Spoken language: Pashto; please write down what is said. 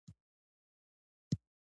د ناکامۍ سبب باید وپلټل شي.